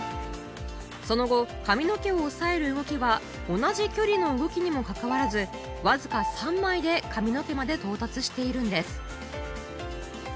その後髪の毛をおさえる動きは同じ距離の動きにもかかわらずわずか３枚で髪の毛まで到達しているんです